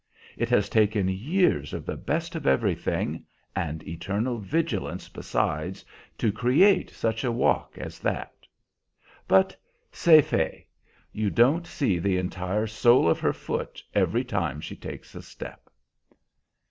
It has taken years of the best of everything, and eternal vigilance besides, to create such a walk as that; but c'est fait. You don't see the entire sole of her foot every time she takes a step."